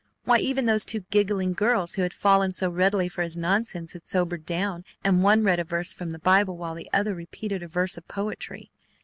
Why, even those two giggling girls who had "fallen" so readily for his nonsense had sobered down and one read a verse from the Bible while the other repeated a verse of poetry!